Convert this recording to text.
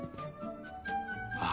ああ。